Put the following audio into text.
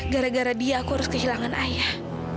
gara gara dia aku harus kehilangan ayah